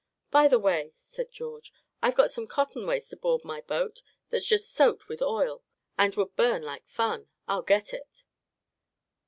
"By the way," said George, "I've got some cotton waste aboard my boat that's just soaked with oil, and would burn like fun. I'll get it."